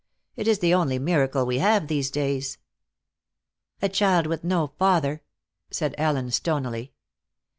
It is the only miracle we have these days." "A child with no father," said Ellen, stonily.